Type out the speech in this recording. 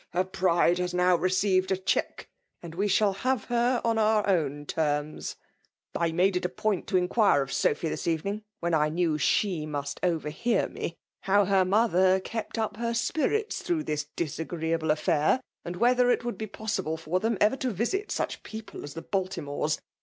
Her pride has now received a check ; and we shall have her on our own terms. I made it a point to inquire of Sophy tiiis eTcning, (when I knew she must overhear tne;) how her mother kept up her spirits through this disagreeable affair ; and whether it would be possible for them ever to visit such people as the Baltimorcs